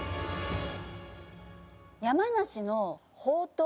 山梨のほうとう。